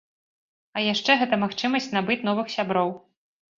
А яшчэ гэта магчымасць набыць новых сяброў!